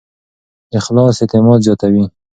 اخلاص اعتماد زیاتوي.